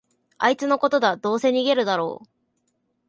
あいつのことだ、どうせ逃げるだろ